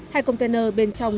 hai container bên trong